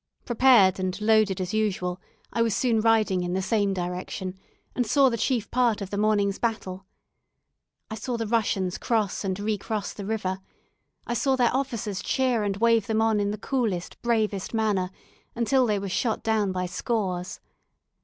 Prepared and loaded as usual, I was soon riding in the same direction, and saw the chief part of the morning's battle. I saw the Russians cross and recross the river. I saw their officers cheer and wave them on in the coolest, bravest manner, until they were shot down by scores.